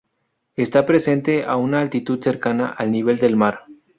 Está presente a una altitud cercana al nivel del mar.